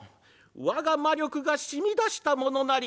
「我が魔力が染み出したものなり」。